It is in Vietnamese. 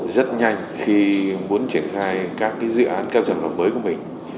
rất nhanh khi muốn triển khai các dự án các dự án mới của mình